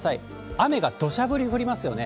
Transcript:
雨がどしゃ降りに降りますよね。